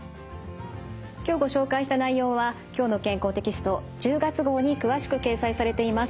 今日ご紹介した内容は「きょうの健康」テキスト１０月号に詳しく掲載されています。